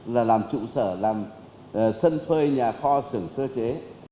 là làm trụ sở làm sân phơi nhà kho xưởng sơ chế